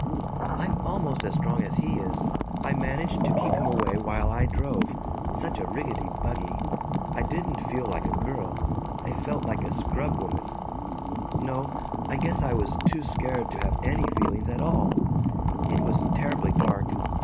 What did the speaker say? "I'm almost as strong as he is. I managed to keep him away while I drove such a rickety buggy. I didn't feel like a girl; I felt like a scrubwoman no, I guess I was too scared to have any feelings at all. It was terribly dark.